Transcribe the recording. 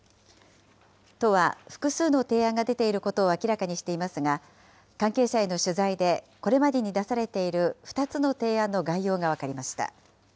都は複数の提案が出ていることを明らかにしていますが、関係者への取材で、これまでに出されている２つの提案の概要が分かりました。